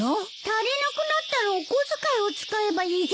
足りなくなったらお小遣いを使えばいいじゃないの。